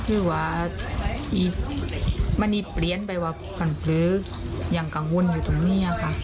อีมันอีเปลี่ยนไปว่าผันเผลอยังกังวลอยู่ตรงเนี้ยค่ะ